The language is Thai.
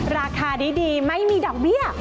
ราคาดีไม่มีดอกเบี้ย